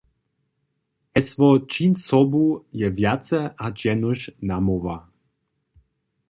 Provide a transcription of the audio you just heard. Hesło "Čiń sobu" je wjace hač jenož namołwa.